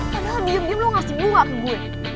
padahal diem diem lo ngasih buang ke gue